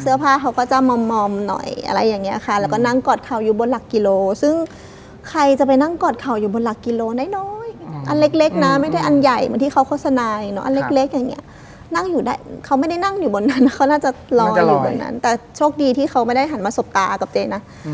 เสื้อผ้าเขาก็จะมอมหน่อยอะไรอย่างเงี้ยค่ะแล้วก็นั่งกอดเข่าอยู่บนหลักกิโลซึ่งใครจะไปนั่งกอดเข่าอยู่บนหลักกิโลน้อยอันเล็กนะไม่ได้อันใหญ่เหมือนที่เขาโฆษณาอย่างนี้อันเล็กอย่างเงี้ยนั่งอยู่ได้เขาไม่ได้นั่งอยู่บนนั้นเขาน่าจะลอยอยู่บนนั้นแต่โชคดีที่เขาไม่ได้หันมาสบตากับเจ๊นะ